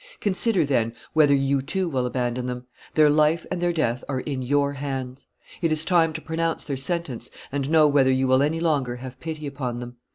Consider, then, whether you too will abandon them; their life and their death are in your hands; it is time to pronounce their sentence, and know whether you will any longer have pity upon them.